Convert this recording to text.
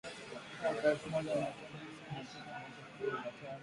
mwaka elfu moja mia tisa tisini na tisa na mwaka elfu mbili na tatu